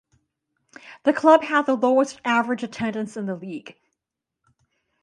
The club had the lowest average attendance in the league.